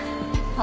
あ